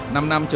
năm năm trước